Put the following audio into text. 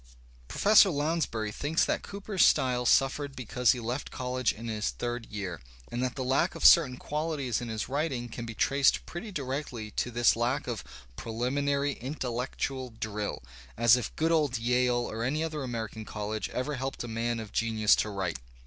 Professor Lounsbury thinks that Cooper's style suffered because he left college in his third year, and that the lack of certain quaUties in his writing can be traced pretty directly ♦' to this lack of "preUminary intellectual drill" — as if good ■ old Yale or any other American college ever helped a man of genius to write!